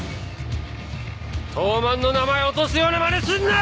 東卍の名前落とすようなまねすんな！